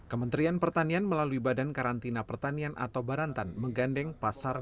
kementerian pertanian melalui badan karantina pertanian atau barantan menggandeng pasar